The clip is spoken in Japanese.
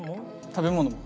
食べ物も。